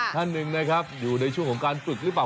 ท่านหนึ่งนะครับอยู่ในช่วงของการฝึกหรือเปล่า